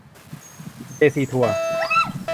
เจซีทัวร์